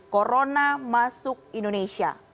corona masuk indonesia